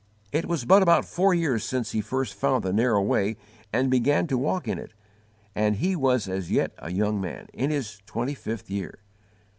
It was but about four years since he first found the narrow way and began to walk in it, and he was as yet a young man, in his twenty fifth year.